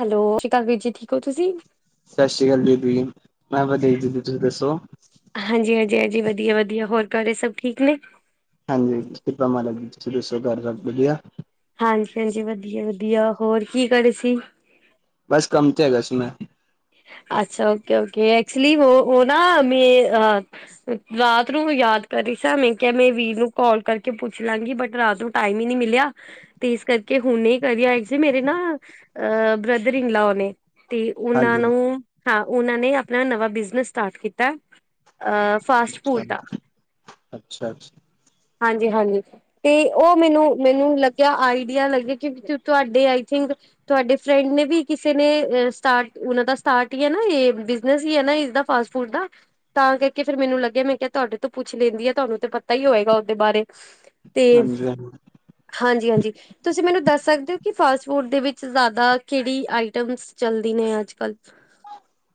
ਹੈਲ ਛੀ ਕਾਲ ਵੀਰ ਜੀ ਠੀਕ ਓ ਤੁਸੀਂ? ਸਛੀ ਕਾਲ ਦੀਦੀ, ਮੈਂ ਦੀਦੀ ਤੁਹੀ ਦੱਸੋ? ਹਾਂਜੀ-ਹਾਂਜੀ-ਹਾਂਜੀ ਵਧੀਆ-ਵਧੀਆ ਹੋਰ ਕਰੇ ਸਭ ਠੀਕ ਨੇ? ਹਾਂਜੀ ਕਿਪਾ ਮਹਾਰਾਜ ਜੀ ਤੁਹੀ ਦੱਸੋ ਘਰ ਸਬ ਵਦੀਆ? ਹਾਂਜੀ-ਹਾਂਜੀ ਵਧੀਆ-ਵਧੀਆ ਹੋਰ ਕੀ ਕਰੇ ਸੀ? ਬਸ ਕਮ ਤੇ ਹੈਗਾ ਸੀ ਮੈ। ਅੱਛਾ ਓਕੇ-ਓਕੇ ਐਕਚਲੀ ਓ ਨਾ ਮ ਅ ਰਾਤ ਨੂੰ ਯਾਦ ਕਰ ਰੀ ਸੀ ਮੈਂ ਕੇਆ ਮੈਂ ਵੀਰ ਨੂੰ ਕਾਲ ਕਰਕੇ ਪੁੱਛ ਲਾਂਗੀ ਬਟ ਰਾਤ ਨੂੰ ਟਾਈਮ ਈ ਨੀ ਮਿਲੇਆ ਤੇ ਏਸ ਕਰਕੇ ਹੁਣੇ ਕਰੀ ਰੁ ਆ ਐਕਚਲੀ ਮੇਰੇ ਨਾ, ਆ ਬ੍ਰਦਰ ਈਨ ਲਾਓ ਨੇ ਤੇ ਓਨਾਂ ਹਾਂਜੀ ਨੂੰ, ਹਾਂ ਓਨਾਂ ਨੇ ਆਪਣਾ ਨਵਾਂ ਬਿਜਨਸ ਸਟਾਟ ਕੀਤਾ, ਆ ਫਾਸਟ ਅੱਛਾ ਫੂਡ ਦਾ, ਅੱਛਾ ਹਾਂਜੀ-ਹਾਂਜੀ ਤੇ ਓ ਮੈਨੂੰ ਮੈਨੂੰ ਲੱਗੇਆ ਆਈਡੀਆ ਲੱਗੇਆ ਕੇ ਕੀ ਤੁਹਾਡੇ ਆਈ ਥੀਂਕ ਤੁਆਡੇ ਫਰੈਂਡ ਨੇ ਵੀ ਕੀਸੇ ਨੇ ਸਟਾਟ ਓਨਾ ਦਾ ਸਟਾਟ ਈ ਐ ਨਾ ਏ ਬੀਜਨਸ ਈ ਐ ਨਾ ਏਸਦਾ ਫਾਸਟ ਫੂਡ ਦਾ ਤਾਂ ਕਰਕੇ ਫੇਰ ਮੇਨੂੰ ਲੱਗੇਆ ਮੈਂ ਕੇਆ ਤੁਆਡੇ ਤੋਂ ਪੁੱਛ ਲੈਂਦੀ ਆ ਤੁਆਨੂੰ ਤੇ ਪਤਾ ਹੀ ਹੋਏਗਾ ਓਦੇ ਬਾਰੇ ਤੇ, ਹਾਂਜੀ ਹਾਂਜੀ। ਹਾਂਜੀ-ਹਾਂਜੀ ਤੁਸੀਂ ਮੈਨੂੰ ਦੱਸ ਸਕਦੇ ਓ ਕੀ ਫਾਸਟ ਫੂਡ ਦੇ ਵੀਚ ਯਾਦਾ ਕੇੜੀ ਆਈਟਮਸ ਚਲਦੀ ਨੇ ਅ ਜ ਕੱਲ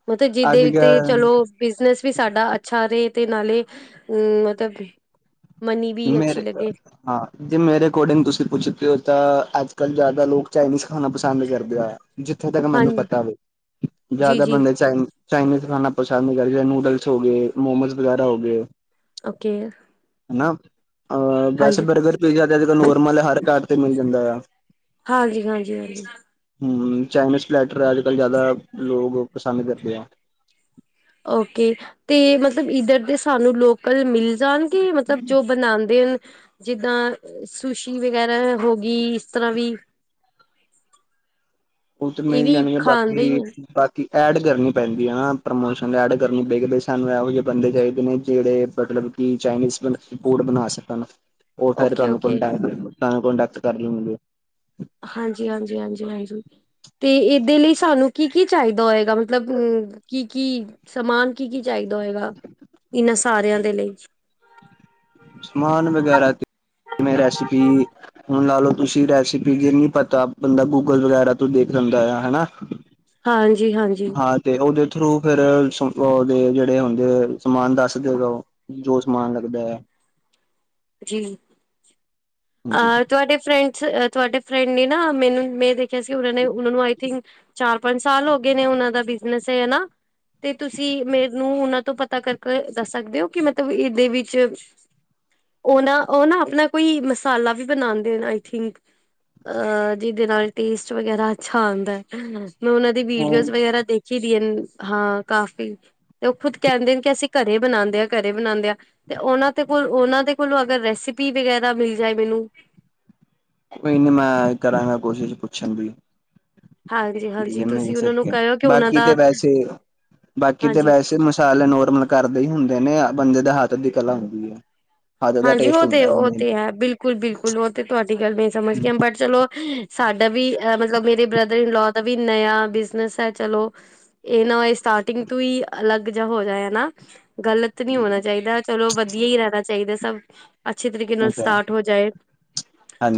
ਮਤੇ ਜੀਦੇ ਅੱਜ ਵੀ ਤੇ ਕੱਲ ਚਲੋ ਬਿਜਨਸ ਵੀ ਸਾਡਾ ਅੱਛਾ ਰੇ ਤੇ ਨਾਲੇ, ਊ ਮਤਬ ਮੇਰੇ ਹਾਂ ਜੇ ਮੇਰੇ ਅਕੋਡੀਂਗ ਤੁਸੀਂ ਪੁੱਛ ਤੇ ਓ ਤਾਂ ਅੱਜ-ਕੱਲ ਜਾਦਾ ਲੋਕ ਚਾਈਨੀਜ਼ ਖਾਣਾ ਪਸੰਦ ਕਰਦੇ ਆ। ਜੀਥੇ ਤੱਕ ਮੈਨੂੰ ਹਾਂਜੀ ਪਤਾ ਵੇ, ਜਾਦਾ ਜੀ-ਜੀ ਬੰਦੇ ਚਾਈ ਚਾਈਨੀਜ਼ ਖਾਨਾ ਪਸੰਦ ਕਰ ਜੀ ਨੂਡਲਸ ਹੋ ਗੇ ਮੋਮੋਜ਼ ਵਗੈਰਾ ਹੋ ਗੇ। ਓਕੇ ਹਨਾ ਅ ਵੈਸੇ ਹਾਂਜੀ ਬਰਗਰ ਪੀਜ਼ਾ ਤੇ ਅੱਜ-ਕੱਲ ਨੋਰਮਲ ਹਰ ਘਰ ਤੇ ਮੇਲ ਜਾਂਦਾ ਆ। ਹਾਂਜੀ-ਹਾਂਜੀ-ਹਾਂਜੀ। ਹੂੰ ਚਾਈਨੀਜ਼ ਪਲੈਟਰ ਅੱਜ-ਕੱਲ ਯਾਦਾ ਲੋਕ ਪਸੰਦ ਕਰਦੇ ਆ। ਓਕੇ ਤੇ ਮਤਲਵ ਈਧਰ ਦੇ ਸਾਨੂੰ ਲੋ ਕਲ ਮੀਲ ਜਾਣਗੇ ਮਤਬ ਜੋ ਬਣਾਦੇ ਅਨ ਜੀਦਾਂ ਸੁਸ਼ੀ ਵਗੈਰਾ ਹੋ ਗੀ ਈਸ ਤਰ੍ਹਾਂ ਵੀ ਓ ਤੇ ਇਹ ਮੀਲ ਵੀ ਜਾਣਗੇ ਖਾਂਦੇ ਬਾਕੀ, ਹੀ ਬਾਕੀ ਐਡ ਕਰਨੀ ਪੈਂਦੀ ਆ ਹਨਾ ਪ੍ਰਮੋਸ਼ਨ ਐਡ ਕਰਨੀ ਪਏਗੀ ਦੇ ਸਾਨੂੰ ਐਹੋ ਜੇ ਬੰਦੇ ਚਾਈਦੇ ਨੇ ਜੇੜੇ ਮਤਲ ਕੀ ਚਾਈਨੀਸ ਬ ਫੂੜ ਬਣਾ ਸਕਣ, ਓ ਫੇਰ ਓਕੇ ਤੁਆਨੂੰ ਓਕੇ ਕੈ ਤਾਂ ਕੁਡੈਕਟ ਕਰ ਲੂ ਗੇ। ਹਾਂਜੀ-ਹਾਂਜੀ-ਹਾਂਜੀ-ਹਾਂਜੀ, ਤੇ ਏਦੇ ਲਈ ਸਾਨੂੰ ਕੀ-ਕੀ ਚਾਈਦਾ ਹੋਏ ਦਾ ਮਤਲਬ ਊ ਕੀ-ਕੀ ਸਮਾਨ ਕੀ-ਕੀ ਚਾਈਦਾ ਹੋਏਗਾ, ਏਨਾਂ ਸਾਰੇਆਂ ਦੇ ਲਈ? ਸਮਾਨ ਵਗੈਰਾਂ, ਕ ਜੇਵੇ ਰੈਸਪੀ ਹੁਣ ਲਾ ਲਾ ਲੋ ਤੁਸੀਂ ਰੈਸਪੀ ਜੇ ਨੀ ਪਤਾ ਬੰਦਾ ਗੂਗਲ ਵਗੈਰਾ ਤੋਂ ਦੇਖ ਲੈਂਦਾ ਆ ਹਨਾ ਹਾਂਜੀ-ਹਾਂਜੀ ਹਾਂ ਤੇ ਔਦੇ ਥਰੂ ਫੇਰ ਸ ਅ ਦੇ ਜੇੜੇ ਹੁੰਦੇ ਸਮਾਨ ਦੱਸ ਦੇਗਾ ਔਹ ਜੋ ਸਮਾਨ ਲੱਗਦੈ ਜੀ ਹਾਂਜੀ। ਅ ਤੁਆਡੇ ਫਰੈਂਡਸ, ਤੁਆਡੇ ਫਰੈਂਡ ਨੇ ਨਾ ਮੈਨੂੰ ਮੈਂ ਦੇ ਕਿਸੀ ਉਹਨਾਂ ਨੇ, ਉਹਨਾਂ ਨੂੰ ਆਈ ਥਿੰਕ ਚਾਰ ਪੰਜ ਸਾਲ ਹੋ ਗੇ ਨੇ ਔਨਾਂ ਦਾ ਬਿਜ਼ਨਸ ਏ ਹਨਾ। ਤੇ ਤੁਸੀਂ ਮੈਨੂੰ ਉਨਾ ਤੋਂ ਪਤਾ ਕਰਕੇ ਦੱਸ ਸਕਦੇ ਹੋ ਕਿ ਮਤਲਬ ਇਦੇ ਵਿੱਚ ਔ ਨਾ ਔ ਨਾ ਅਪਨਾ ਕੋਈ ਮਸਾਲਾ ਵੀ ਬਨਾਦੇ ਨੇ ਆਈ ਥਿੰਕ ਅ ਜਿਦੇ ਨਾਲ ਟੇਸਟ ਵਗੈਰਾ ਅੱਛਾ ਆਂਦਾ ਹੈ। ਮੈਂ ਔਨਾ ਦੀ ਵੀਡੀਔਜ਼ ਹੋਰ ਵਗੈਰਾ ਦੇਖ ਸਿਰਿਅਲ ਹਾਂ ਕਾਫੀ [unintelligible] ਤੇ ਔਹ ਖੁਦ ਕੈਂਦੇ ਕਿ ਅਸੀਂ ਘਰੇ ਬਨਾਂਦੇ ਆਂ, ਘਰੇ ਬਨਾਂਦੇ ਆ ਤੇ ਔਨਾਂ ਦੇ ਕੋਲ ਔਨਾਂ ਦੇ ਹੁਨ ਅਗਰ ਰੈਸਪੀ ਵੇਗੈਰਾ ਮਿਲ ਜਾਏ ਮੈਨੂੰ ਕੋਈ ਨਾ ਮੈਂ ਕਰਾਂਗਾ ਕੋਸ਼ਿਸ਼ ਪੁੱਛਣ ਦੀ। ਹਾਂਜੀ-ਹਾਂਜੀ ਜੇ ਮਿਲ ਤੁਸੀਂ ਉਹਨਾਂ ਨੂੰ ਸਕਦਾ, ਕਹਿਓ ਕਿ ਉਹਨਾਂ ਬਾਕੀ ਤੇ ਦਾ ਵੈਸੇ -ਬਾਕੀ ਤੇ ਹਾਂਜੀ ਵੈਸੇ ਮੁਸ਼ ਥੈਲੇ ਨੋਰਮਲ ਘਾਰਦੇ ਈ ਹੁੰਦੇ ਨੇ, ਬੰਦੇ ਦੇ ਹੱਥ ਦੁਖਣ ਲਾਉਂਦੀ ਏ ਹਾਂਜੀ, ਔਹ ਤੇ ਔ ਤੇ ਹੈ ਬਿਲਕੁਲ- ਬਿਲਕੁਲ ਔ ਤੇ ਤੁਆਡੀ ਗੱਲ ਮੈ ਸਮਝ ਗਿਆ, ਬਟ ਚਲੋ ਹਹਹਹ ਸਾਡਾ ਵੀ ਐ ਮਤਲਬ ਮੇਰੇ ਬ੍ਰਦਰ ਇਨਲੋ ਦਾ ਵੀ ਨਯਾ ਬਿਜ਼ਨਸ ਹੈ ਚਲੋ ਏਨਾ ਹੋਏ ਸਟਾਰਟਿੰਗ ਤੋਂਈਂ ਅਲੱਗ ਜਾ ਹੋ ਜੇ ਹਨਾ। ਗ਼ਲਤ ਨਹੀਂ ਹੋਣਾ ਚਾਈਦਾ। ਚਲੋ ਵਧੀਆ ਈ ਰੈਨਾ ਚਾਈਦਾ ਸਭ ਅੱਛੇ ਤਰੀਕੇ ਉਹ ਨਾਲ ਤੇ ਹੈ ਸਟਾਰਟ ਹੋ ਜਾਏ।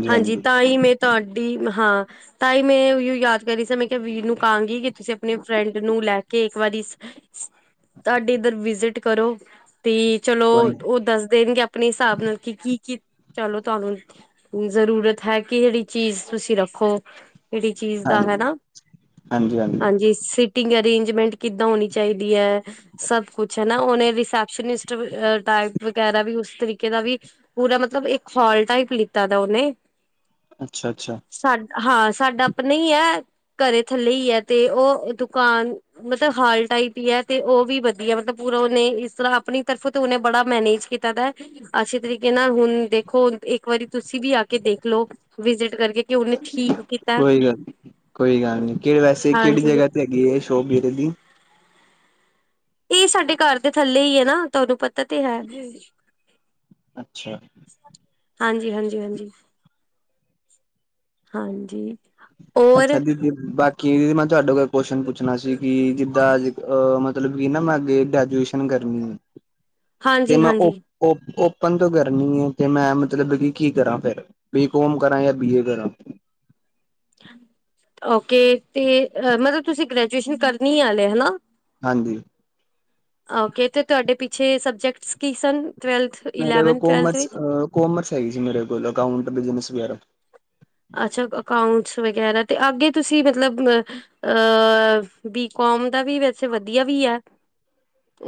ਹਾਂਜੀ, ਤਾਂ ਈ ਮੈਂ ਤੁਆਡੀ ਹਾਂ ਤਾਂ ਈ ਮੈਂ ਯੁਅ ਯਾਦ ਕਰ ਰੀ ਸਾਂ, ਮੈਂ ਕਿ ਆ ਵੀਰ ਨੂੰ ਕਾਂਗੀ ਕਿ ਤੁਸੀਂ ਅਪਣੀ ਫਰੈਂਡ ਨੂੰ ਲੈ ਕੇ ਇੱਕ ਵਾਰੀ [inaudible] ਤਾਡੇ ਇੱਧਰ ਵਿਜ਼ਿਟ ਕਰੋ ਤੇ ਚਲੋ ਕੋਈ ਔਹ ਦੱਸ ਦੇਣਗੇ ਪਨੇ ਹਿਸਾਬ ਨਾਲ ਕਿ ਕੀ ਚਲੋ ਤੁਆਨੂੰ ਜ਼ਰੂਰਤ ਹੈ ਕਿ ਜੇਹੜੀ ਚੀਜ਼ ਤੁਸੀਂ ਰੱਖੋ ਜੇੜੀ ਚੀਜ਼ ਦਾ ਹੈ ਹਾਂਜੀ ਨਾ, ਹਾਂਜੀ, ਸਿ ਟਿਂਗ ਅਰੇਂਜਮੈਂਟ ਕਿੱਦਾਂ ਹੋਨੀ ਚਾਈਦੀ ਐ ਹਹਹ ਸਭ ਕੁਛ ਹਨਾ, ਔਨਾ ਰਿਸੈਪਸ਼ਨਿਸਟ ਵੀ ਅ ਟਾਈਪ ਵਗੈਰਾ ਵੀ ਤਰੀਕੇ ਦਾ ਵੀ ਪੂਰਾ ਮਤਲਬ ਇੱਕ ਹਾਲ ਟਾਈਪ ਲਿੱਤਾ ਦਾ ਔਨੇ ਅੱਛਾ- ਅੱਛਾ। ਸਾ ਹਾਂ ਸਾਡਾ ਅਪਣਾ ਈ ਐ, ਘਰੇ ਥੱਲੇ ਈ ਐ ਤੇ ਔ ਦੁਕਾਨ ਮਤਲਬ ਹਾਲ ਟਾਈਪ ਈ ਐ, ਤੇ ਔ ਵੀ ਵਧੀਆ ਮਤਲਬ ਪੂਰਾ ਔਨੇ ਇਸ ਤਰ੍ਹਾਂ ਆਪਣੀ ਤਰਫੋਂ ਤੇ ਔਨੇ ਬੜਾ ਮੈਨੇਜ ਕੀਤਾ ਦਾ ਅੱਸੀ ਤਰੀਕੇ ਨਾਲ ਹੁਣ ਦੇਖੋ ਇੱਕ ਵਾਰੀ ਤੁਸੀਂ ਵੀ ਆ ਕੇ ਦੇਖਲੋ ਵਿਜਿਟ ਕਰਕੇ ਕਿ ਉਹਨੇ ਠੀਕ ਕੀਤਾ ਕੋਈ ਗੱਲ ਨੀ- ਕੋਈ ਗੱਲ ਨੀ ਕਿ ੜ ਵੈਸੇ ਕੇੜੀ ਹਾਂਜੀ ਜਗ੍ਹਾ ਤੇ ਹੈ ਯੇ ਹੈ ਸ਼ੋਪਤ ਬੇਟੇ ਦੀ [unintelligible] ਈ ਸਾਡੇ ਘਰ ਦੇ ਥੱਲੇ ਈ ਐ ਨਾ ਤਾਨੂੰ ਪਤਾ ਤੇ ਹੈ ਵੇ ਅੱਛਾ। ਹਾਂਜੀ -ਹਾਂਜੀ -ਹਾਂਜੀ, ਹਾਂਜੀ। ਅੱਛਾ ਔਰ ਦੀਦੀ ਬਾਕੀ ਦੀਦੀ ਮੈਂ ਤੁਹਾਡੇ ਕੋਲੋ ਕੁਸ਼ਚਨ ਪੁੱਛਣਾ ਸੀ ਕਿ ਜਿੱਦਾਂ ਅ ਅ ਮ ਮਤਲਬ ਕਿ ਨਾ ਮੈਂ ਅੱਗੇ ਗ੍ਰੈਜੂਏਸ਼ਨ ਕਰਨੀ ਤੇ ਹਾਂਜੀ ਮੈਂ ਔ ਹਾਂਜੀ ਔ ਔਪਨ ਤੋਂ ਕਰਨੀ ਏ, ਤੇ ਮੈਂ ਮਤਲਬ ਕਿ ਕੀ ਕਰਾਂ ਫੇਰ। ਬੀ ਕੌਮ ਕਰਾਂ ਜਾਂ ਬੀ ਏ ਕਰਾਂ। ਓਕੇ, ਤੇ ਅ ਮਤਲਬ ਤੁਸੀਂ ਗ੍ਰੈਜੂਏਸ਼ਨ ਕਰਨੀ ਐ ਹਲੇ ਹਨਾ। ਹਾਂਜੀ। ਔਕੇ, ਤੇ ਤੁਆਡੇ ਪਿੱਛੇ ਸਬਜੈਕਟਸ ਕੀ ਸਨ, ਟਵੈਲਥ ਮੇਰੇ ਕੋਲ ਇਲੈਵਨਥ ਟਵੈਲਥ ਕਮਰਸ ਵਿੱਚ ਅ ਕੋਮਰਸ ਹੈਏਗੀ ਸੀ, ਮੇਰੇ ਕੋਲ ਅਕਾਊਂਟ, ਬਿਜਨਸ, ਵਗੈਰਾ ਅੱਛਾ ‌‌, ਅਕਾਊਂਟਸ ਵਗੈਰਾ ਤੇ ਅੱਗੇ ਤੁਸੀਂ ਮਤਲਬ ਨ ਅਹ ਬੀਕੋਮ ਦਾ ਵੀ ਵੈਸੇ ਵਧੀਆ ਵੀ ਹੈ। ਹ [unintelligible]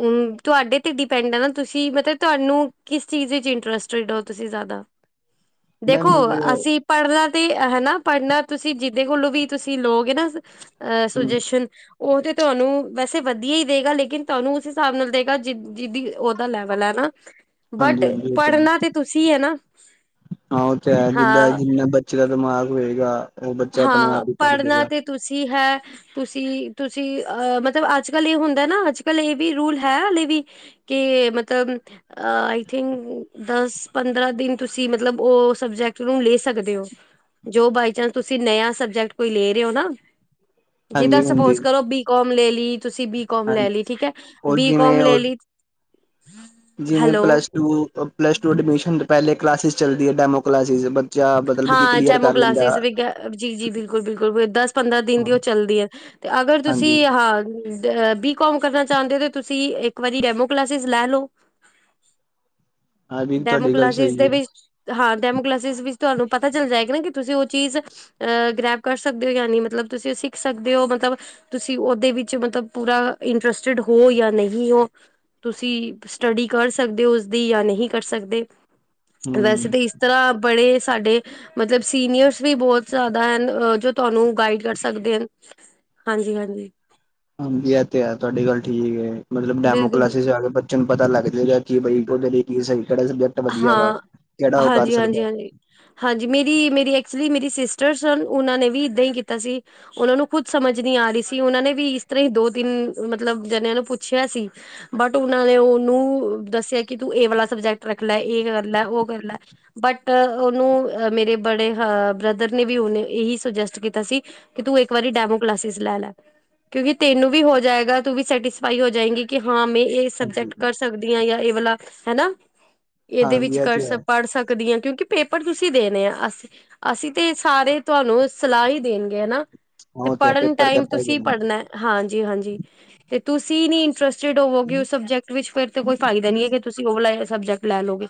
ਤੁਹਾਡੇ ਤੇ ਡਿਪੈਂਡ ਹੈ ਨਾ, ਤੁਸੀਂ ਮਤਲਬ ਤੁਹਾਨੂੰ ਕਿਸ ਚੀਜ਼ ਵਿੱਚ ਇੰਟਰਸਟਿਡ ਹੋ ਤੁਸੀਂ ਜ਼ਿਆਦਾ। [unintelligible] ਦੇਖੋ ਤੇ ਅਸੀਂ ਪੜਨਾ ਤੇ ਹੈਨਾ ਪੜ੍ਹਨਾ ਤੁਸੀਂ ਜਿਦੇ ਕੋਲੋਂ ਵੀ ਤੁਸੀਂ ਲੋ ਗੇਨਾ ਅਹ ਸੁਜੈਸ਼ਨ ਉਹ ਤੇ ਤੁਹਾਨੂੰ ਵੈਸੇ ਵਧੀਆ ਹੀ ਦੇਗਾ, ਲੇਕਿਨ ਤੁਹਾਨੂੰ ਉਸ ਹਿਸਾਬ ਨਾਲ ਦੇਗਾ ਜਿ ਜਿਹਦੀ ਉਹਦਾ ਲੈਵਲ ਹੈ ਨਾ। [unintelligible] ਬਟ ਹਾਂਜੀ ਉਹ ਤਾਂ ਪੜ੍ਹਨਾ ਤੇ ਤੁਸੀਂ ਹੈ ਨਾ। ਹਾਂ ਉਹ ਤੇ ਹੈ ਜਿੱਦਾਂ ਹਾਂ ਜਿੰਨਾ ਬੱਚੇ ਦਾ ਦਿਮਾਗ ਹੋਏਗਾ, ਉਹ ਬੱਚਾ ਆਪਣੇ ਹਾਂ ਆਪ ਹੀ ਪੜ੍ਹ ਪੜ੍ਹਨਾ ਜੇਗਾ। ਤੇ ਤੁਸੀਂ ਹੈ। ਤੁਸੀਂ ਤੁਸੀਂ ਅਹ ਮਤਲਬ ਅੱਜ ਕਲ ਇਹ ਹੁੰਦਾ ਨਾ, ਅੱਜ ਕਲ ਇਹ ਵੀ ਰੂਲ ਹੈ ਹਾਲੇ ਵੀ ਕਿ ਮਤਲਬ ਆਈ ਥਿੰਕ ਦਸ ਪੰਦਰਾਂ ਦਿਨ ਤੁਸੀ ਮਤਲਬ ਉਹ ਸਬਜੈਕਟ ਲੈ ਸਕਦੇ ਹੋ ਜੋ ਬਾਈ ਚਾਂਸ ਤੁਸੀਂ ਨਯ ਸਬਜੈਕਟ ਕੋਈ ਲੈ ਰਹੇ ਹੋ ਨਾ, ਜਿਹਾਂ ਹਾਂਜੀ ਹਾਂਜੀ ਸਪੋਜ ਕਰੋ ਬੀ ਕਮ ਲੈ ਲਈ, ਤੁਸੀਂ ਬੀਕਾਮ ਹਾਂਜੀ ਲੈ ਲਈ, ਠੀਕ ਹੈ ਉਹ ਬੀਕਮ ਲੈ ਲਈ ਜੀਵੇੈਂ hello plus two, plus two admission ਤੋ ਪਹਿਲੇ ਕਲਾਸਜ਼ ਚੱਲਦੀ ਹੈ ਡੈਮੋ ਕਲਾਸਿਸ ਬ ਹਾਂ ਡੇਮੋ ਕਲਾਸਿਸ ਵੀ ਜੀ ਜੀ ਬਿਲਕੁਲ ਬਿਲਕੁਲ ਦਸ ਪੰਦਰਾਂ ਦਿਨ ਹਾਂ ਦੀ ਉਹ ਚੱਲਦੀ ਹੈ ਤੇ ਅਗਰ ਤੁਸੀਂ, ਹਾਂਜੀ ਹਾਂ ਅ ਬੀਕੋਮ ਕਰਨਾ ਚਾਹੁੰਦੇ ਹੋ, ਤੇ ਤੁਸੀਂ ਇੱਕ ਵਾਰੀ ਡੈਮੋ ਕਲਾਸਿਸ ਲੈ ਲਓ ਹਾਂ ਵੀ ਡੈਮੋ ਤੁਹਾਡੀ ਗੱਲ ਕਲਾਸਿਸ ਸਹੀ ਦੇ ਹੈ ਵਿੱਚ, ਹਾਂ ਡੈਮੋ ਕਲਾਸਿਸ ਵਿੱਚ ਤੁਹਾਨੂੰ ਪਤਾ ਚੱਲ ਜਾਏਗਾ ਨਾ ਕਿ ਤੁਸੀਂ ਉਹ ਚੀਜ਼ ਅਹ ਗ੍ਰੈਬ ਕਰ ਸਕਦੇ ਹੋ, ਯਾਨੀ ਮਤਲਬ ਤੁਸੀਂ ਉਹ ਸਿੱਖ ਸਕਦੇ ਹੋ ਮਤਲਬ ਤੁਸੀਂ ਓਦੇ ਵਿੱਚ ਮਤਲਬ ਪੂਰਾ ਇੰਟਰਸਟਿਡ ਹੋ ਯਾ ਨਹੀਂ ਹੋ ਤੁਸੀਂ ਸਟਡੀ ਕਰ ਸਕਦੇ ਹੋ ਉਸਦੀ, ਯਾ ਨਹੀਂ ਕਰ ਸਕਦੇ ਵੈਸੇ ਹੂੰ ਤੇ ਇਸ ਤਰ੍ਹਾਂ ਬੜੇ ਸਾਡੇ ਮਤਲਬ ਸੀਨੀਰਸ ਵੀ ਬੋਹਤ ਜ਼ਿਆਦਾ ਹਨ, ਜੋ ਤੁਹਾਨੂ ਗਾਈਡ ਕਰ ਸਕਦੇ ਹਨ ਹਾਂਜੀ ਹਾਂਜੀ ਹਾਂਜੀ ਇਹ ਤੇ ਹੈ ਤੁਹਾਡੀ ਗੱਲ ਠੀਕ ਹੈ, ਮਤਲਬ ਡੈਮੋ ਬਿਲਕੁਲ ਕਲਾਸਿਸ ਚ ਆਕੇ ਬੱਚਿਆਂ ਨੂੰ ਪਤਾ ਲੱਗ ਜਾਏਗਾ, ਕਿ ਬਈ ਉਹਦੇ ਲਈ ਕੀ ਸਹੀ ਵਧੀਆ ਵਾ ਹਾਂ ਕਿਹੜਾ ਉਹ ਕਰ ਹਾਂਜੀ ਹਾਂਜੀ ਸਕਦਾ ਹਾਂਜੀ ਹਾਂਜੀ ਮੇਰੀ ਮੇਰੀ ਐਕਚੁਲੀ ਮੇਰੀ ਸਿਸਟਰ ਸਨ ਉਹਨਾਂ ਨੇ ਵੀ ਇੱਦਾਂ ਹੀ ਕੀਤਾ ਸੀ ਉਹਨਾਂ ਨੂੰ ਖੁਦ ਸਮਝ ਨੀ ਆ ਰਹੀ ਸੀ, ਉਹਨਾਂ ਨੇ ਵੀ ਇਸ ਤਰ੍ਹਾਂ ਹੀ ਦੋ ਤਿੰਨ ਮਤਲਬ ਜਣਿਆਂ ਨੂੰ ਪੁੱਛਿਆ ਸੀ ਬਟ ਉਹਨਾਂ ਨੇ ਉਹਨੂੰ ਦੱਸਿਆ ਕਿ ਤੂੰ ਇਹ ਵਾਲਾ ਸਬਜੈਕਟ ਰੱਖ ਲੈ, ਇਹ ਕਰ ਲੈ ਉਹ ਕਰ ਲੈ ਬਟ ਉਹਨੂੰ ਮੇਰੇ ਬੜੇ ਬ੍ਰਦਰ ਨੇ ਵੀ ਉਹਨੇ ਇਹੀ ਸੁਜੈਸਟ ਕੀਤਾ ਸੀ ਕਿ ਤੂੰ ਇੱਕ ਵਾਰੀ ਡੈਮੋ ਕਲਾਸਿਸ ਲੈ ਲੈ ਕਿਉਂਕਿ ਤੈਨੂੰ ਵੀ ਹੋ ਜਾਏਗਾ, ਤੂੰ ਵੀ ਸੈਟਿਸਫਾਈ ਹੋ ਜਾਏਗੀ ਕਿ ਹਾਂ ਮੈਂ ਏਹ ਹਾਂਜੀ ਸਬਜੈਕਟ ਕਰ ਸਕਦੀ ਹਾਂ ਜਾਂ ਇਹ ਵਾਲਾ ਹੈਨਾ ਇਹਦੇ ਵਿੱਚ ਹਾਂਜੀ ਇਹ ਕਰ ਤੇ ਹੈ ਪੜ੍ਹ ਸਕਦੀ ਹਾਂ ਕਿਉਂਕਿ ਪੇਪਰ ਤੁਸੀਂ ਦੇਣੇ ਆ ਅਸੀਂ ਅਸੀਂ ਤੇ ਸਾਰੇ ਤੁਹਾਨੂੰ ਸਲਾਹ ਹੀ ਦੇਣਗੇ ਹੈਨਾ, ਹਾਂ ਤੇ ਉਹ ਹੈ ਪੜ੍ਹਨ ਪੇਪਰ ਤੇ ਟਾਈਮ ਆਪਾਂ ਹੀ ਤੁਸੀਂ ਦੇਣੇ ਪੜ੍ਹਨਾ ਹਾਂਜੀ ਹਾਂਜੀ ਤੇ ਤੁਸੀਂ ਨੀ ਇੰਟਰਸਟਿਡ ਹੋਵੋਗੇ ਉਸ ਸਬਜੈਕਟ ਵਿੱਚ ਫਿਰ ਤੇ ਕੋਈ ਫਾਇਦਾ ਨੀ ਹੈ ਕਿ ਤੁਸੀਂ ਉਹ ਸਬਜੈਕਟ ਲੈ ਲਓਗੇ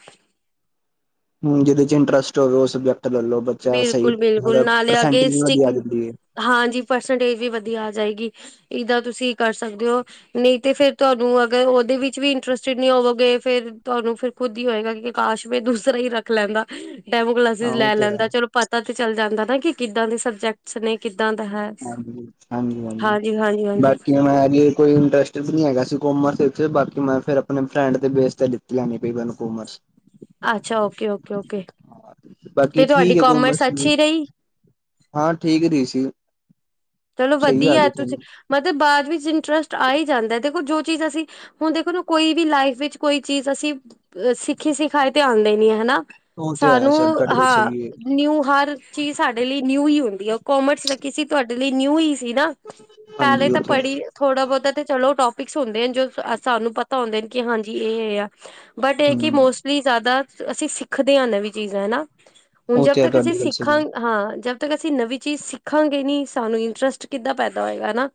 ਹੂ ਜਿਹਦੇ ਚ ਇੰਟਰਸਟ ਹੋਵੇ ਉਹ ਸਬਜੈਕਟ ਲੈ ਲੋ ਬੱਚਾ ਸਹੀ ਬਿਲਕੁਲ-ਬਿਲਕੁਲ ਮਤਲ ਨਾਲੇ ਅੱਗੇ ਪਰਸੈਂਟੇਜ ਜੀ ਸਟਿਕ ਵਧੀਆ ਦਿੰਦੀ ਐ ਹਾਂਜੀ ਪਰਸੈਂਟੇਜ ਵੀ ਵਧੀਆ ਆ ਜਾਏਗੀ ਈਦਾਂ ਤੁਸੀਂ ਕਰ ਸਕਦੇ ਹੋ ਨਹੀਂ ਤੇ ਫੇਰ ਤੁਹਾਨੂੰ ਅਗਰ ਉਹਦੇ ਵਿੱਚ ਵੀ ਇੰਟਰਸਟਿਡ ਨਹੀਂ ਹੋਵੋਗੇ, ਫੇਰ ਤੁਹਾਨੂੰ ਫਿਰ ਖੁੱਦ ਈ ਹੋਏਗਾ ਕਿ ਕਾਸ਼ ਵੀ ਦੂਸਰਾ ਈ ਰੱਖ ਲੈਂਦਾ। ਡੈਮੋ ਹਾਂ ਕਲਾਸਿਸ ਉਹ ਲੈ ਤੇ ਹੈ ਲੈਂਦਾ ਚਲੋ ਪਤਾ ਤੇ ਚੱਲ ਜਾਂਦਾ ਨਾ ਕਿ ਕਿੱਦਾਂ ਦੇ ਸਬਜੈਕਟਸ ਨੇ ਕਿੱਦਾਂ ਦਾ ਹੈ। ਹਾਂਜੀ-ਹਾਂਜੀ-ਹਾਂਜੀ ਹਾਂਜੀ-ਹਾਂਜੀ-ਹਾਂਜੀ ਬਾਕੀ ਹੁਣ ਐ ਵੀ ਕੋਈ ਇੰਟਰਸਟ ਵੀ ਨੀ ਹੈਗਾ ਸੀ ਕੋਮਰਸ ਵਿੱਚ ਬਾਕੀ ਮੈਂ ਫਿਰ ਆਪਣੇ ਫਰੈਂਡ ਦੇ ਬੇਸ ਤੇ ਲਿਤੀਆ ਨੇ [unintelligible] ਕੋਮਰਸ, ਅੱਛਾ, ਓਕੇ ਓਕੇ ਓਕੇ। ਬਾਕੀ ਠੀਕ ਐ ਕੋਮਰਸ ਵੀ, ਅੱਛੀ ਰਹੀ। ਹਾਂ ਠੀਕ ਰੀ ਸੀ। ਚਲੋ ਸਹੀ ਆ ਵਧੀਆ ਗਈ ਸੀ ਤੁਸੀਂ, ਮਤਲਬ ਬਾਅਦ ਵਿੱਚ ਇੰਟਰਸਟ ਆ ਈ ਜਾਂਦਾ ਦੇਖੋ ਜੋ ਚੀਜ਼ ਅਸੀਂ ਹੁਣ ਦੇਖੋ ਨਾ ਕੋਈ ਵੀ ਲਾਈਫ ਵਿੱਚ ਕੋਈ ਚੀਜ਼ ਅਸੀਂ ਸਿੱਖੀ ਸਿਖਾਏ ਤੇ ਆਦੇ ਨੀ ਆ ਹਨਾ। ਉਹ ਤੇ ਹੈ ਸਾਨੂੰ ਸਰ ਤੁਹਾਡੀ ਗੱਲ ਹਾਂ, ਸਹੀ ਹੈ ਨਿਊ ਹਰ ਚੀਜ਼ ਸਾਡੇ ਲਈ ਨਿਊ ਈ ਹੁੰਦੀ ਐ ਉਹ ਕੋਮਰਸ ਰੱਖੀ ਸੀ ਤੁਹਾਡੇ ਲਈ ਨਿਊ ਈ ਸੀ ਨਾ। ਪਹਿਲੇ ਹਾਂਜੀ ਤਾਂ ਉਹ ਤੇ ਪੜ੍ਹੀ ਥੋੜ੍ਹਾ ਬਹੁਤਾ ਤੇ ਚਲੋ ਟੋਪਿਕਸ ਹੁੰਦੇ ਜੋ ਸਾਨੂੰ ਪਤਾ ਹੁੰਦੇ ਨੇ। ਕਿ ਹਾਂਜੀ ਇਹ ਇਹ ਐ, ਬਟ ਇਹ ਕਿ ਹਮ ਮੋਸਟ ਲਈ ਜ਼ਿਆਦਾ ਅਸੀਂ ਸਿੱਖਦੇ ਹਾਂ ਨਵੀਂ ਚੀਜ਼ਾਂ ਹਨਾ, ਹੁਣ ਉਹ ਜਦ ਤੇ ਹੈ ਤੱਕ ਅਸੀਂ ਤੁਹਾਡੀ ਗੱਲ ਸਹੀ ਹੈ ਸਿੱਖਾਂਗੇ। ਹਾਂ ਜਦ ਤੱਕ ਅਸੀਂ ਨਵੀਂ ਚੀਜ਼ ਸਿੱਖਾਂਗੇ ਨੀ ਸਾਨੂੰ ਇੰਟਰਸਟ ਕਿੱਦਾਂ ਪੈਦਾ ਹੋਏਗਾ ਹਨਾ।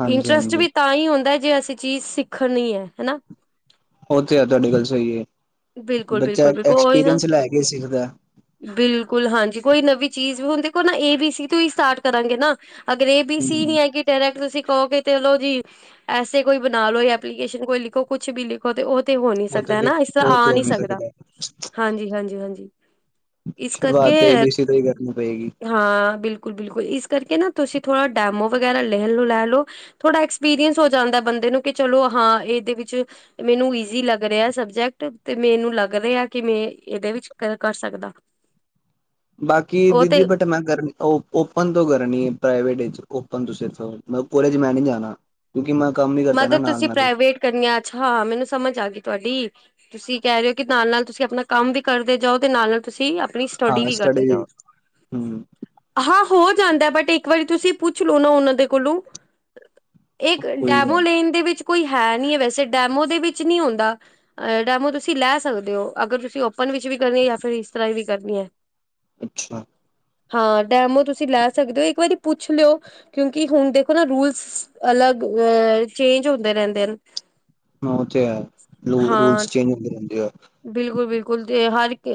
ਹਾਂਜੀ ਇੰਟਰਸਟ ਹਾਂਜੀ ਵੀ ਤਾਂ ਈ ਹੁੰਦਾ ਜੇ ਅਸੀਂ ਚੀਜ਼ ਸਿੱਖਣ ਐ ਹਨਾ। ਉਹ ਤੇ ਆ ਤੁਹਾਡੀ ਗੱਲ ਸਹੀ ਐ, ਬਿਲਕੁਲ ਬੱਚਾ ਬਿਲਕੁਲ ਬਿਲਕੁਲ ਉਹੀ ਨਾ ਐਕਸਪੀਰੀਅੰਸ ਲੈ ਕੇ ਸਿੱਖਦਾ। ਬਿਲਕੁਲ ਹਾਂਜੀ ਕੋਈ ਨਵੀਂ ਚੀਜ਼ ਵੀ ਹੁੰਦੀ ਕੋਈ ਨਾ ਏ ਬੀ ਸੀ ਤੋਂ ਹੀ ਸਟਾਰਟ ਕਰਾਂਗੇ ਨਾ। ਅਗਰ ਐ ਬੀ ਸੀ ਹਮ ਨੀ ਹੈਗੀ। ਡਾਇਰੈਕਟ ਤੁਸੀ ਕਹੋ ਕੇ ਚਲੋ ਜੀ, ਐਸੇ ਕੋਈ ਬਣਾ ਲੋੋ ਐਪਲੀਕੇਸ਼ਨ ਕੋਈ ਲਿਖੋ ਕੁਛ ਵੀ ਲਿਖ ਤੇ ਉਹ ਤੇ ਹੋ ਨੀ ਉਹ ਤੇ ਸਕਦਾ ਹਨਾ ਲਿਖ ਇਸ ਤਰ ਉਹ ਆ ਤੇ ਹੋ ਨੀ ਸਕਦਾ, ਹਾਂਜੀ-ਹਾਂਜੀ-ਹਾਂਜੀ। ਸ਼ੁਰੂਆਤ ਏ ਬੀ ਸੀ ਤੋ ਹੀ ਕਰਨੀ ਪਏਗੀ। ਹਾਂ ਬਿਲਕੁਲ-ਬਿਲਕੁਲ ਇਸ ਕਰਕੇ ਨਾ ਤੁਸੀ ਥੋੜ੍ਹਾ ਡੈਮੋ ਵਗੈਰਾ ਲੈ ਲੈ ਲਓ। ਥੋੜ੍ਹਾ ਐਕਸਪੀਰੀਅੰਸ ਹੋ ਜਾਂਦਾ ਬੰਦੇ ਨੂੰ ਕਿ ਚਲੋ ਹਾਂ ਇਹਦੇ ਵਿਚ ਮੈਨੂੰ ਈਜੀ ਲਗ ਰਿਹਾ ਸਬਜੈਕਟ, ਤੇ ਮੈਨੂੰ ਲਗ ਰਿਹਾ ਆ ਕਿ ਮੈ ਇਹਦੇ ਵਿਚ ਕਰ ਸਕਦਾ। ਬਾਕੀ ਉਹ ਦੀਦੀ ਤੇ ਬਟ ਮੈ ਗਰਮੀ ਓਪਨ ਤੋ ਕਰਨੀ ਐ ਪ੍ਰਾਈਵੇਟ ਵਿੱਚ ਓਪਨ ਤੋ ਸਿਰਫ ਕੋਲਜ ਚ ਮੈ ਨੀ ਜਾਣਾ। ਕਿਉਕਿ ਮੈ ਕੰਮ ਈ ਕਰਦਾ ਮਤਲਬ ਨਾਲ ਤੁਸੀਂ ਨਾਲ ਹੀ। ਪ੍ਰਾਈਵੇਟ ਕਰਨੀਆਂ ਅੱਛਾ ਹਾਂ ਮੈਨੂੰ ਸਮਝ ਆ ਗਈ ਤੁਹਾਡੀ। ਤੁਸੀ ਕਹਿ ਰਹੇ ਹੋ ਕਿ ਨਾਲ ਨਾਲ ਤੁਸੀ ਆਪਣਾ ਕਮ ਵੀ ਕਰਦੇ ਜਾਓ ਤੇ ਨਾਲ-ਨਾਲ ਤੁਸੀ ਆਪਣੀ ਸਟੇਡੀ ਹਾਂ ਵੀ ਕਰਦੇ ਸਟੱਡੀ ਜਾਓ। ਹਮ ਹਾਂ ਹੋ ਜਾਦਾ ਬਟ ਇਕ ਵਾਰੀ ਤੁਸੀ ਪੁੱਛ ਲੋੋ ਨਾ ਉਹਨਾ ਦੇ ਕੋਲੋ ਇਕ ਕੋਈ ਗੱਲ ਨੀ। ਇਨ ਦੇ ਵਿਚ ਕੋਈ ਹੈ ਨੀ ਐ ਵੈਸੇ ਡੈਮੋ ਦੇ ਵਿਚ ਨੀ ਆਉਦਾ। ਡੈਮੋ ਤੁਸੀ ਲੈ ਸਕਦੇ ਔ ਅਗਰ ਤੁਸੀ ਓਪਨ ਵਿਚ ਵੀ ਕਰਨੀ ਜਾਂ ਫਿਰ ਇਸ ਤਰ੍ਹਾਂ ਵੀ ਕਰਨੀ ਐ। ਅੱਛਾ, ਹਾਂ ਡੈਮੋ ਤੁਸੀ ਲੈ ਸਕਦੇ ਔ ਇਕ ਵਾਰੀ ਪੁੱਛ ਲਿਓ। ਕਿਉਕਿ ਹੁਣ ਦੇਖੋ ਨਾ ਰੂਲਸ, ਅਲਗ ਚੇਂਜ ਹੁੰਦੇ ਰਹਿਦੇ ਨੇ। ਉਹ ਤੇ ਐ, ਰੂਲਸ ਚੇਂਜ ਹੁੰਦੇ ਰਹਿਦੇ ਆ। ਬਿਲਕੁਲ-ਬਿਲਕੁਲ ਤੇ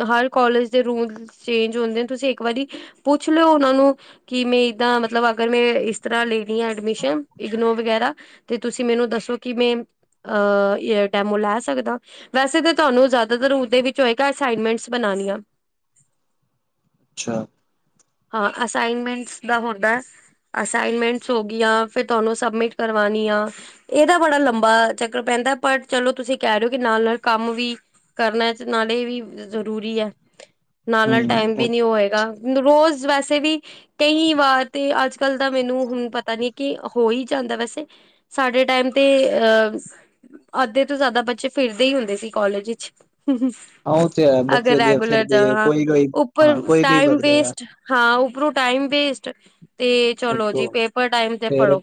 ਹਰ ਕੋਲਜ ਦੇ ਰੂਲ ਚੇਂਜ ਹੁੰਦੇ ਤੁਸੀ ਇਕ ਵਾਰੀ ਪੁੱਛ ਲਿਓ ਉਹਨਾ ਨੂੰ ਕਿ ਮੈਂ ਈਦਾਂ ਮਤਲਬ ਅਗਰ ਮੈ ਇਸ ਤਰ੍ਹਾ ਲੈਣੀ ਆ ਐਡਮਿਸ਼ਨ ਇਗਨੋ ਵਗੈਰਾ। ਤੇ ਤੁਸੀ ਮੈਨੂੰ ਦੱਸੋ ਕਿ ਮੈ ਅਹ ਡੈਮੋ ਲੈ ਸਕਦਾ। ਵੈਸੇ ਤਾਂ ਤੁਹਾਨੂੰ ਜਿਆਦਾਤਰ ਉਹਦੇ ਵਿਚ ਹੋਏਗਾ ਅਸਾਈਨਮੈਂਟਸ ਬਣਾਉਣੀਆ। ਅੱਛਾ, ਹਾਂ ਅਸਾਈਨਮੈਂਟਸ ਦਾ ਹੁੰਦਾ। ਅਸਾਈਨਮੈਂਟਸ ਹੋ ਗਿਆਂ ਫਿਰ ਤੁਹਾਨੂੰ ਸਬਮਿਟ ਕਰਵਾਨੀਆ। ਇਹਦਾ ਬੜਾ ਲੰਬਾ ਚੱਕਰ ਪੈਦਾ, ਪਰ ਚਲੋ ਤੁਸੀ ਕਹਿ ਰਹੇ ਹੋ ਕਿ ਨਾਲ- ਨਾਲ ਕੰਮ ਵੀ ਕਰਨਾ ਨਾਲੇ ਵੀ ਜਰੂਰੀ ਹੈ, ਨਾਲ- ਨਾਲ ਹਮ ਟਾਈਮ ਹਾਂ ਵੀ ਨੀ ਹੋਵੇਗਾ। ਰੋਜ਼ ਵੈਸੇ ਵੀ- ਕਈ ਵਾਰ ਤੇ ਅਜ ਕਲ ਦਾ ਮੈਨੂੰ ਹੁਣ ਪਤਾ ਨਹੀ, ਕਿ ਹੋ ਹੀ ਜਾਦਾ ਵੈਸੇ- ਤੇ ਸਾਡੇ ਟਾਈਮ ਤੇ ਅਹ- ਅਧੇ ਤੋਂ ਜਿਆਦਾ ਬੱਚੇ, ਫਿਰਦੇ ਹੀ ਹੁੰਦੇ ਸੀ ਕੋਾਲਜ ਵਿਚ- ਉਹ ਤੇ ਹੈ ਅਗਰ ਬੱਚੇ ਦੇ ਰੈਗੂਲਰ ਫਿਰਦੇ ਜਾਣਾ, ਕੋਈ ਕੋਈ ਉਪਰ ਹਾਂ ਕੋਈ ਕੋਈ ਟਾਈਮ ਵੜਦਾ ਆ ਵੇਸਟ- ਹਾਂ ਉਪਰੋ ਟਾਈਮ ਵੇਸਟ, ਤੇ ਚਲੋ ਜੀ ਪੇਪਰ ਟਾਈਮ ਤੇ ਪੜ੍ਹੋ-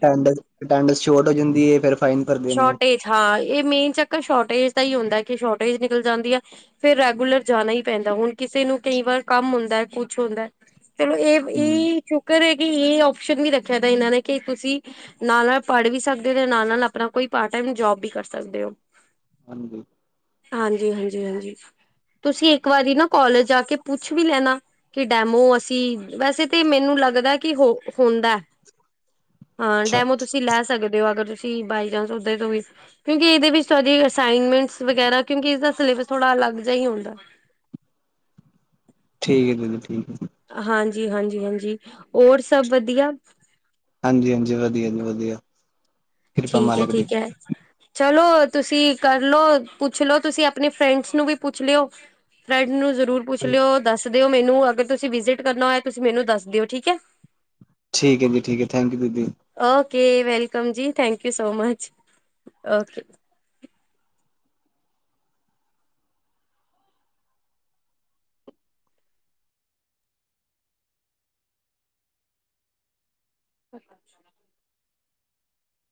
ਅਟੈਂਡੈਂਸ ਸੋਟ ਹੋ ਜਾਦੀ ਹੈ ਫਿਰ- ਫਾਈਨ ਭਰਦੇ ਨੇ ਸ਼ੋਰਟੇਜ ਹਾਂ ਇਹ ਮੇਨ ਚੱਕਰ ਸ਼ੋਰਟੇਜ ਦਾ ਹੀ ਹੁੰਦਾ, ਕਿ ਸ਼ੋਰਟੇਜ ਨਿਕਲ ਜਾਦੀ ਆ। ਫਿਰ ਰੈਗੂਲਰ ਜਾਣਾ ਹੀ ਪੈਂਦਾ, ਹੁਣ ਕਿਸੇ ਨੂੰ ਕਈ ਵਾਰ ਕਮ ਹੁੰਦਾ, ਕੁਛ ਹੁੰਦਾ- ਚਲੋ ਹਮ ਇਹ ਸ਼ੁਕਰ ਹੈ ਕਿ ਇਹ ਆਪਓਪਸ਼ਨ ਵੀ ਰੱਖਿਆ ਤ ਇਹਨਾ ਨੇ, ਕਿ ਤੁਸੀ- ਨਾਲ- ਨਾਲ ਪੜ੍ਹ ਵੀ ਸਕਦੇ ਹੋ, ਨਾਲ- ਨਾਲ ਆਪਣਾ ਕੋਈ ਪਾਰਟ ਟਮ ਜੋਬ ਵੀ ਕਰ ਸਕਦੇ ਹੋ। [inaudible] ਹਾਂਜੀ- ਹਾਂਜੀ -ਹਾਂਜੀ, ਤੁਸੀ ਇਕ ਵਾਰੀ ਨਾ ਕੋਾਲਜ ਆ ਕੇ ਪੁੱਛ ਵੀ ਲੈਣਾ- ਕਿ ਡੈਮੋ ਅਸੀ, ਵੈਸੇ ਤੇ ਮੈਨੂੰ ਲਗਦਾ ਕਿ ਹੋ ਹੁੰਦਾ- [inaudible] ਹਾਂ ਡੈਮੋ ਤੁਸੀ ਲੈ ਸਕਦੇ ਹੋ, ਅਗਰ ਤੁਸੀ ਬਾਈ ਚਾਂਸ ਉਧਰ ਤੋ ਵੀ- ਕਿਉਕਿ ਇਹਦੇ ਵਿਚ ਸ ਅਸਮੈਂਟ ਵਗੈਰਾ, ਕਿਉਕਿ ਇਸਦਾ ਸਲੇਬਸ ਥੋੜਾ ਅਲਗ ਜਿਹਾ ਹੀ ਹੁੰਦਾ। ਠੀਕ ਹੈ ਦੀਦੀ, ਠੀਕ ਹੈ ਜੀ। ਹਾਂਜੀ- ਹਾਂਜੀ -ਹਾਂਜੀ, ਹੋਰ ਸਭ ਵਧੀਆ? ਹਾਂਜੀ- ਹਾਂਜੀ, ਵਧੀਆ ਜੀ ਵਧੀਆ। ਕਿਰਪਾ ਠੀਕ ਹੈ, ਮਾਲਕ ਦੀ ਠੀਕ ਹੈ। ਚਲੋ ਤੁਸੀਂ ਕਰ ਲਓ, ਪੁੱਛ ਲਓ ਤੁਸੀਂ ਆਪਣੇ ਫਰੈਂਡਸ ਨੂੰ ਵੀ ਪੁੱਛ ਲਿਓ। [unintelligible] ਜ਼ਰੂਰ ਪੁੱਛ ਲਿਓ ਦੱਸ ਦਿਓ ਮੈਨੂੰ, ਅਗਰ ਤੁਸੀਂ ਵਿਜਿਟ ਕਰਨਾ ਹੋਇਆ ਤੁਸੀਂ ਮੈਨੂੰ ਦੱਸ ਦਿਓ ਠੀਕ ਹੈ। ਠੀਕ ਹੈ ਜੀ ਠੀਕ ਹੈ, ਥੈਂਕ ਯੂ ਦੀਦੀ। ਓਕੇ ਵੈਲਕਮ ਜੀ, thank you so much, okay. ਅੱਛਾ।